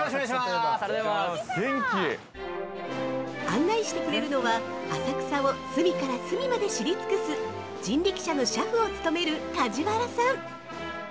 ◆案内してくれるのは浅草を隅から隅まで知り尽くす、人力車の車夫を務める梶原さん